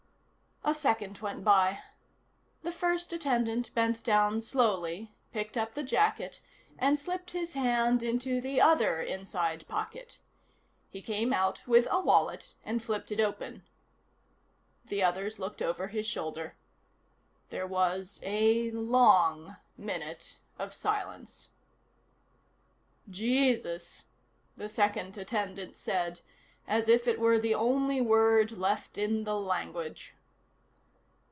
A second went by. The first attendant bent down slowly, picked up the jacket and slipped his hand into the other inside pocket. He came out with a wallet and flipped it open. The others looked over his shoulder. There was a long minute of silence. "Jesus," the second attendant said, as if it were the only word left in the language.